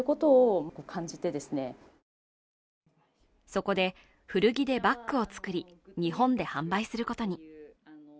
そこで古着でバッグを作り、日本で販売することに。